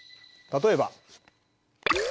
例えば。